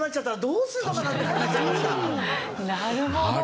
なるほど。